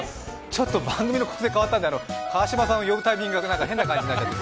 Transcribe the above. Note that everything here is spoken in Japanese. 番組の構成が変わったので川島さんを呼ぶタイミングが変な感じになっちゃって。